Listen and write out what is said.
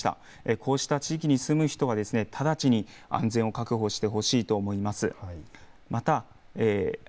こうした地域に住む人は直ちに安全を確保してほしいと思います。